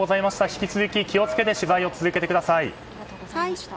引き続き気を付けて取材を続けてください。